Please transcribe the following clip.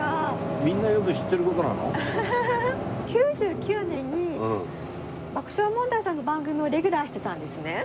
９９年に爆笑問題さんの番組をレギュラーしてたんですね。